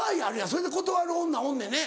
それで断る女おんねんね。